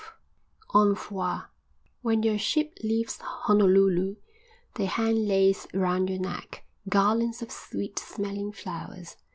VIII Envoi When your ship leaves Honolulu they hang leis round your neck, garlands of sweet smelling flowers.